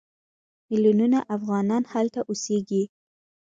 میلیونونه افغانان هلته اوسېږي.